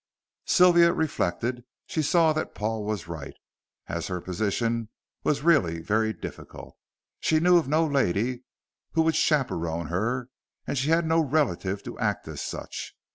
Sylvia reflected. She saw that Paul was right, as her position was really very difficult. She knew of no lady who would chaperon her, and she had no relative to act as such.